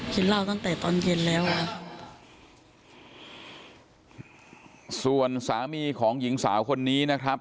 กินเหล้าตั้งแต่ตอนเย็นแล้วค่ะส่วนสามีของหญิงสาวคนนี้นะครับ